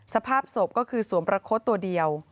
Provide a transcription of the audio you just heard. สภาพศพก็คือสวมประคดตัวเดียว